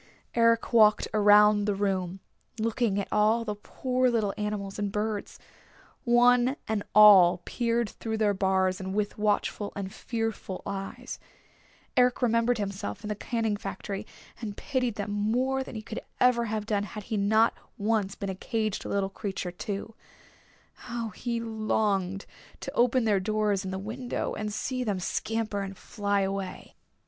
Eric walked around the room, looking at all the poor little animals and birds. One and all peered through their bars with watchful and fearful eyes. Eric remembered himself in the canning factory and pitied them more than he could ever have done had he not once been a caged little creature too. How he longed to open their doors and the window, and see them scamper and fly away!